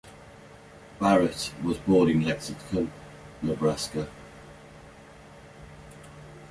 Barrett was born in Lexington, Nebraska.